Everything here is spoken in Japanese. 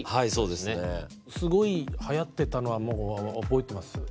すごいはやってたのは覚えてます。